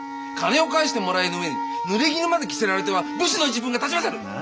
金を返してもらえぬ上にぬれぎぬまで着せられては武士の一分が立ちませぬ。